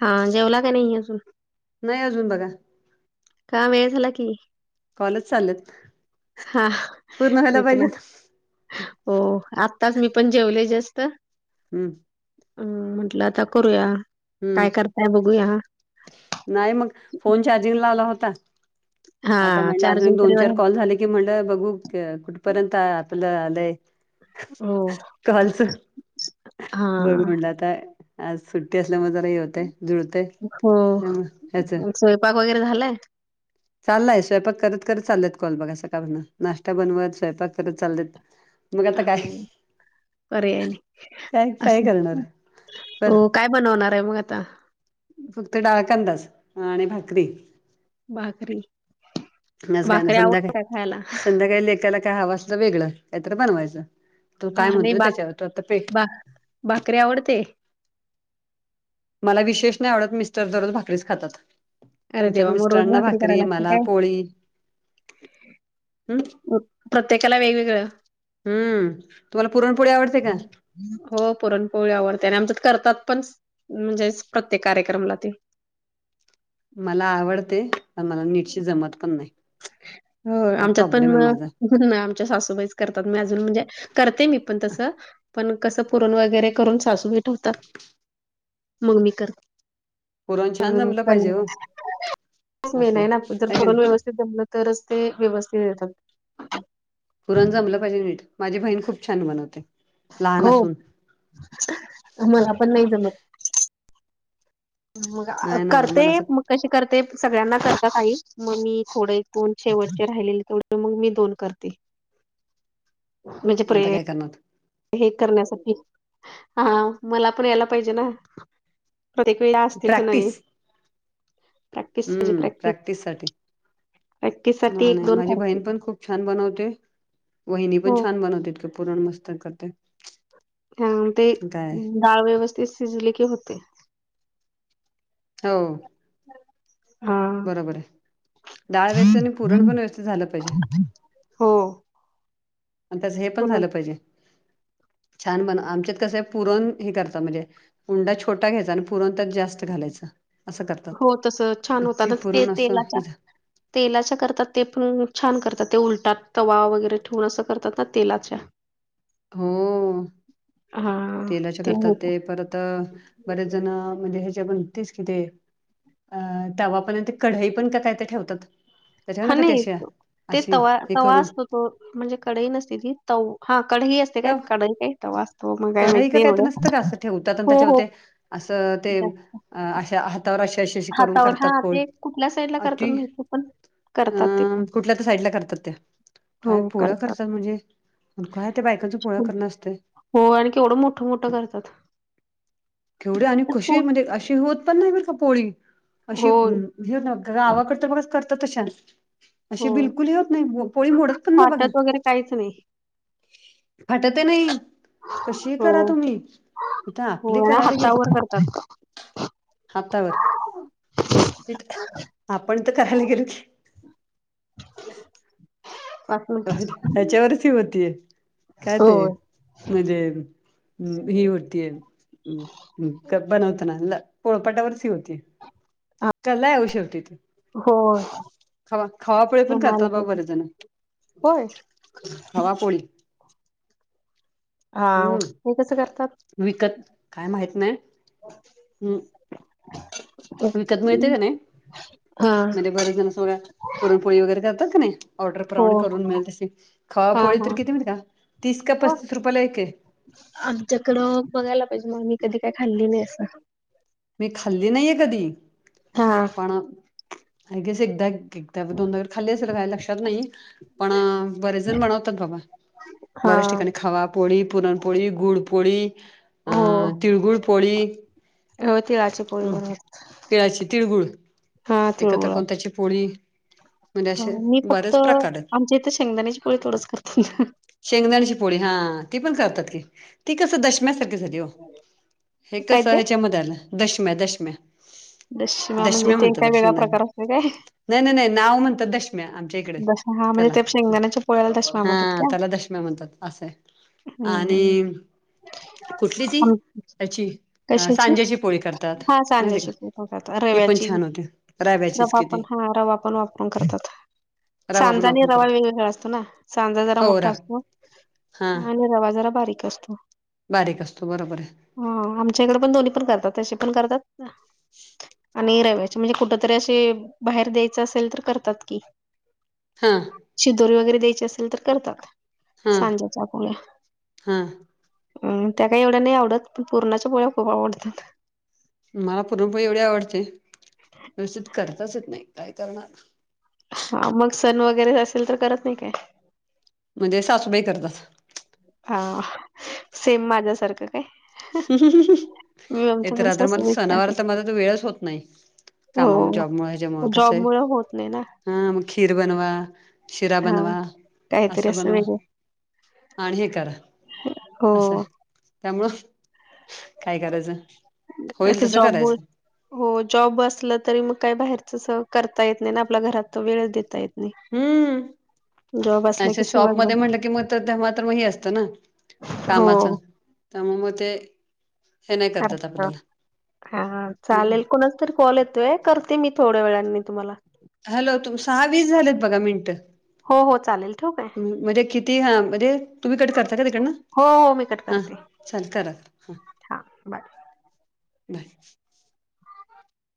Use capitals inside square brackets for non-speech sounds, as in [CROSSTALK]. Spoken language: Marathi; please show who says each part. Speaker 1: हा जेवला काय नाही अजून.
Speaker 2: नाही अजून बघा.
Speaker 1: का वेळ झाला की.
Speaker 2: कॉलेज चालत
Speaker 1: हा
Speaker 2: पूर्ण
Speaker 1: मी
Speaker 2: व्हायला
Speaker 1: पण आ-
Speaker 2: पाहिजेत.
Speaker 1: हो आत्ताच मी पण जेवले जस्ट.
Speaker 2: हम्म.
Speaker 1: अम म्हटलं आता करूया. काय करताय बघूया
Speaker 2: हम्म नाही मग फोन चार्जिंग लावला होता.
Speaker 1: हा
Speaker 2: आता म्हणलं अजून एक
Speaker 1: चार्जिंग तरी
Speaker 2: दोन चार
Speaker 1: वाय-
Speaker 2: कॉल झाले की म्हणलं बघू के कुठपर्यंत आ आपलं आलंय.
Speaker 1: हम [INAUDIBLE]
Speaker 2: कालच
Speaker 1: हा
Speaker 2: बघ म्हणला. आता आज सुट्टी असल्यामुळे जरा हे होते जुळतेय ह्याच.
Speaker 1: पाक वगैरे झालंय.
Speaker 2: चाललाय स्वयपाक करत करत चालत कॉल बघा असं का म्ह नाश्ता बनवत स्वयपाक करत चालत. मग आता काय
Speaker 1: हं, पर्याय नाही
Speaker 2: काय काय
Speaker 1: असं
Speaker 2: करणार तर.
Speaker 1: हो काय बनवणार आहे मग आता.
Speaker 2: फक्त डाळ कांंदाच आणि भाकरी.
Speaker 1: भाकरी
Speaker 2: मग आज काय नाही
Speaker 1: भाकरी आवडते
Speaker 2: संध्याकाळी
Speaker 1: काय खायला
Speaker 2: संध्याकाळी लेकाला काय हवा आस. वेगळं कायतर बनवायचं तू
Speaker 1: हा
Speaker 2: काय
Speaker 1: नाही
Speaker 2: म्हणतोय
Speaker 1: बा
Speaker 2: त्याच्यावर त आता पे
Speaker 1: बा भाकरी आवडते.
Speaker 2: मला विशेष नाही आवडत मिस्टर दररोज भाकरीच खातात.
Speaker 1: अरे
Speaker 2: आमच्यात
Speaker 1: देवा मग रोज
Speaker 2: मिस्टरांना भाकरी
Speaker 1: करायला लागते
Speaker 2: मला
Speaker 1: काय
Speaker 2: पोळी. हम्म
Speaker 1: प्रत्येकाला वेगवेगळं
Speaker 2: हम तुम्हाला पुरणपोळी आवडते का.
Speaker 1: हो पुरणपोळी आवडते आणि आमच्या करतात पण म्हणजेच प्रत्येक कार्यक्रमला ते.
Speaker 2: मला आवडते पण मला नीटची जमत पण नाही.
Speaker 1: हो
Speaker 2: हा
Speaker 1: आमच्यात पण
Speaker 2: प्रॉब्लेम आहे माझा.
Speaker 1: म आमच्या सासूबाईच करतात मी अजून म्हणजे करते मी पण तसं. पण कसं पुरण वगैरे करून सासूई ठेवतात मग म कर
Speaker 2: पुरण छान जमलं पाहिजे हो
Speaker 1: म
Speaker 2: असं
Speaker 1: ना जर
Speaker 2: आहे का
Speaker 1: को
Speaker 2: नाही
Speaker 1: व्यवस् [UNINTELLIGIBLE] जमलं तरच ते व्यवस्थित येतात.
Speaker 2: पुरण जमलं पाहीजे नीट माझी बहीण खूप छान बनवते. लहान
Speaker 1: हो
Speaker 2: असून
Speaker 1: मला पण नाही जमत. मग अ
Speaker 2: नाही ना
Speaker 1: करते
Speaker 2: मला असं
Speaker 1: मग. कशी करते सगळ्यांना करतात आई मग मी थोडे दोन शेवटचे राहिलेले तेव मग मी दोन करते. [INAUDIBLE] प्रे
Speaker 2: आता काय करणार.
Speaker 1: हे करण्यासाठी हा मला पण यायला पाहिजे ना. प्रत्येक वेळा असतील का नाही.
Speaker 2: प्रॅक्टिस
Speaker 1: प्रॅक्टिस म्हणजे
Speaker 2: हम्म प्रॅक्टिस साठी.
Speaker 1: प्रॅक्टिस साठी
Speaker 2: ना
Speaker 1: एक
Speaker 2: नाही
Speaker 1: दोन
Speaker 2: माझी
Speaker 1: करते
Speaker 2: बहीण पण खूप छान बनवते वहिणी पण
Speaker 1: हो
Speaker 2: छान बनवते तीकड. पुरण मस्त करते.
Speaker 1: हा ते
Speaker 2: काय
Speaker 1: डाळ व्यवस्थित शिजले की होते.
Speaker 2: हो.
Speaker 1: [UNINTELLIGIBLE] हा.
Speaker 2: बरोबर आहे डाळ व्यवस्थित आणि पुरण पण व्यवस्थित झालं पाहिजे
Speaker 1: हो.
Speaker 2: त्याच हे पण
Speaker 1: पुरण
Speaker 2: झालं पाहिजे छान बन आमच्यात कसं पुरण हे करता म्हणजे. उंडा छोटा घ्यायचा आणि पुरण जास्त घालायच.
Speaker 1: हो तस छान होत ते
Speaker 2: पुरण असं हे
Speaker 1: तेलाच्या. तेलाच्या करतात ते पण छान करतात ते उलटा तवा वगैरे ठेवून असं करतात ना तेलाच्या
Speaker 2: हो
Speaker 1: हा
Speaker 2: तेलाच्या करतात ते परत बरेच जण म्हणजे ह्याच्या पण तेच कि ते अ तवा कढाई पण का काय ते ठेवतात त्याच्यावर
Speaker 1: हा
Speaker 2: ना का
Speaker 1: नाही
Speaker 2: त्याशा अशी हे करून
Speaker 1: हो म्हणजे कडई नसती ती तऊ हा कडई असते ते
Speaker 2: तर
Speaker 1: काही कड काही वास्तो मगय
Speaker 2: कढई का
Speaker 1: माहि
Speaker 2: काय तर
Speaker 1: एवढं
Speaker 2: नसतं का असं ठेवतात आणि
Speaker 1: हो
Speaker 2: त्याच्यावर
Speaker 1: हो
Speaker 2: ते असं ते
Speaker 1: जास्त
Speaker 2: अ अशा हातावर अशा अ अशी करून
Speaker 1: हा
Speaker 2: करतात प
Speaker 1: ते कुठल्या साईडला
Speaker 2: अ त
Speaker 1: करतात माहिती पण करतात ते पण
Speaker 2: अ कुठल्या तर साईडला करतात त्या काय पोळ करतात म्हणजे काय बायकांच पोळ्या करणं असतंय
Speaker 1: हो आणि केवढं मोठं मोठं करतात
Speaker 2: केवढे आणि
Speaker 1: तर तो
Speaker 2: कशी म्हणजे अशी होत पण नाही मर का पोळी अशी
Speaker 1: होय
Speaker 2: गावाकडच्या पण करतात तश्या
Speaker 1: हो.
Speaker 2: अशी बिलकुलही होत नाही पोळी मोडत पण नाही बघा
Speaker 1: फाटत वगैरे काहीच नाही.
Speaker 2: फटत नाही कशी
Speaker 1: हो.
Speaker 2: करा तुम्ही इथ
Speaker 1: हो
Speaker 2: आपली
Speaker 1: आणि
Speaker 2: करायला गेल
Speaker 1: हातावर करतात
Speaker 2: हातावर आपण तर करायला गेल की
Speaker 1: पाच मिनिट
Speaker 2: अ त्याच्यावरच ही होतीय काय ते
Speaker 1: होय.
Speaker 2: म्हणजे हम् ही होती आहे. बनवत ना पोळपाटावरच होती. कला येव शेवटी तू
Speaker 1: होय
Speaker 2: खवा खावापोळे पण
Speaker 1: जमायला
Speaker 2: करतात बाघ
Speaker 1: पाहिजे.
Speaker 2: बरेच जण.
Speaker 1: होय
Speaker 2: हवा पोळी
Speaker 1: हा
Speaker 2: हम्म
Speaker 1: ते कसं करतात.
Speaker 2: विकत काय माहित नाही. हम्म विकत मिळते का नाही
Speaker 1: म्
Speaker 2: म्हणजे बरच जण सोगळ्या पुरणपोळी वगैरे करतात क नाही
Speaker 1: हो
Speaker 2: ऑर्डरप्रमाणे करून मिळेल तसे खावा
Speaker 1: हा
Speaker 2: पोळील
Speaker 1: हा
Speaker 2: तर किती माहिती का तीस का
Speaker 1: हो
Speaker 2: पस्तीस रुपयाला एक
Speaker 1: आमच्याकडं बघायला पाहिजे मग आम्ही कधी काय खाल्ली नाही असं
Speaker 2: मी खाल्ली नाहीे कधी
Speaker 1: हा
Speaker 2: आपण हे क अस एकदा त्या दोनदार खाल्ली असेल काय लक्षात नाही पण बरेच जण बनवतात बाबा
Speaker 1: हा
Speaker 2: बऱ्याच ठिकाणी खवापोळी पुरणपोळी गुडपोळी अ
Speaker 1: हो
Speaker 2: तिळगुळ पोळी
Speaker 1: हो तिळाची पोळी बनवतात
Speaker 2: तिळाची तिळगुळ
Speaker 1: हा
Speaker 2: एकत्र
Speaker 1: तिळगुळ
Speaker 2: करून त्याची पोळी म्हणजे असे
Speaker 1: मी फक्त
Speaker 2: बरेच प्रकार आहेत
Speaker 1: आमच्या इथे शेंगदाण्याची पोळी तोडच करते ना.
Speaker 2: शेंगदाण्याची पोळी हा ती पण करतात की ती कसं दशम्यासारखी स हे
Speaker 1: काय
Speaker 2: कस
Speaker 1: ते?
Speaker 2: ह्याच्यामध्ये आलं दशम्या दशम्या
Speaker 1: दशिमा म्हणजे
Speaker 2: दशम्या
Speaker 1: ते
Speaker 2: म्हणतात
Speaker 1: काय
Speaker 2: त्याला
Speaker 1: वेगळा
Speaker 2: शेंगदाण्याच्या
Speaker 1: प्रकार असते काय.
Speaker 2: नाही नाही नाही नाव म्हणतात दशम्याम च्या इकडे
Speaker 1: दशमा म्हणजे
Speaker 2: त्याला
Speaker 1: ते शेंगदाण्याच्या पोळ्याला दशमा
Speaker 2: हा
Speaker 1: म्हणतात का?
Speaker 2: त्याला दशम्या म्हणतात असंय.
Speaker 1: हम्म हम्म.
Speaker 2: आणि कुठली ती त्याची
Speaker 1: कशाची?
Speaker 2: सांज्याची ात
Speaker 1: हा
Speaker 2: मा का
Speaker 1: सांज्याची पोळी पण करतात.
Speaker 2: त पण
Speaker 1: रव्याची
Speaker 2: छान होते रावचेच
Speaker 1: रवा
Speaker 2: किती
Speaker 1: पण हा रवा पण वापरून करतात. सांजा आणि रवा वेगवेगळा असतो ना सांजा जरा
Speaker 2: हो रा
Speaker 1: मोठा असतो
Speaker 2: हा
Speaker 1: ह आणि रवा जरा बारीक असतो.
Speaker 2: बारीक असतो बरोबर आहे.
Speaker 1: ह आमच्याकडे पण दोन्ही पण करतात तसे पण करतात.
Speaker 2: [UNINTELLIGIBLE]
Speaker 1: नाही रव्याचे म्हणजे कुठ तरी असे बाहेर द्यायचं असेल तर करतात की
Speaker 2: हां
Speaker 1: शिदोरी वगैरे द्यायची असेल तर करतात
Speaker 2: हा
Speaker 1: सांज्याच्या पोळ्या.
Speaker 2: हा
Speaker 1: अम त्या काय एवढ्या नाही आवडत, पण पूर्णाच्या पोळ्या खूप आवडतात.
Speaker 2: मला पुरणपोळी एवढी आवडते, व्यवस्थित करताचेत नाही, काय करणार?
Speaker 1: हा मग सण वगैरे असेल तर करत नाही काय?
Speaker 2: म्हणजे सासूबाई करतात.
Speaker 1: हा सेम माझ्यासारखं काय? मी आमच्या पण
Speaker 2: तर मला
Speaker 1: सासूबाईच
Speaker 2: सणावार
Speaker 1: करतात.
Speaker 2: तर माझ तो वेळच होत नाही. कामा
Speaker 1: हो
Speaker 2: जॉबमुळे ह्याच्यामुळे कसं
Speaker 1: जॉब मुळ होत नाही ना.
Speaker 2: आहे हा मग खीर बनवा शिरा
Speaker 1: हा
Speaker 2: बनवा, असं बनवा आणि हे करा.
Speaker 1: ह
Speaker 2: असंय त्यामुळं काय करायचं? होईल
Speaker 1: आता
Speaker 2: तसं
Speaker 1: जॉब
Speaker 2: करायचं.
Speaker 1: हो जॉब असलं तरी मग काही बाहेरच करता येत नाही ना आपल्या घरात तर वेळ देता येत नाही.
Speaker 2: हम्म
Speaker 1: जॉब असला की
Speaker 2: अाणि
Speaker 1: सगळंच
Speaker 2: शॉपमध्ये
Speaker 1: बंद.
Speaker 2: म्हंटलं की मग तर मात्र मग ह असतं ना कामाच
Speaker 1: हो
Speaker 2: त्यामुळं मग ते हे नाही
Speaker 1: ख
Speaker 2: करतात आपल्याला
Speaker 1: हा
Speaker 2: मग
Speaker 1: चालेल कोणच चा तर कॉल येतोय करते मी थोड्या वेळानी तुम्हाला
Speaker 2: हॅलो तू सहा वीस झालेत बघा मिनटं.
Speaker 1: हो हो चालेल ठेवू काय?
Speaker 2: म्हणजे किती हा म्हणजे तुम्ही कट करता का तिकडनं
Speaker 1: हो हो मी कट
Speaker 2: हा.
Speaker 1: करते.
Speaker 2: चालेल करा हां
Speaker 1: हा बाय
Speaker 2: बाय